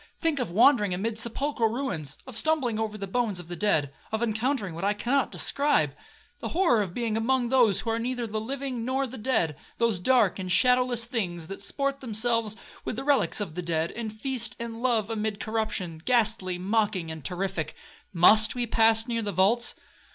Think of wandering amid sepulchral ruins, of stumbling over the bones of the dead, of encountering what I cannot describe,—the horror of being among those who are neither the living or the dead;—those dark and shadowless things that sport themselves with the reliques of the dead, and feast and love amid corruption,—ghastly, mocking, and terrific. Must we pass near the vaults?'